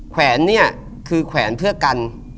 แขวนเนี่ยคือแขวนเพื่อกัน